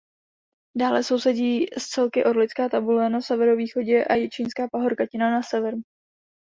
Dále sousedí s celky Orlická tabule na severovýchodě a Jičínská pahorkatina na severu.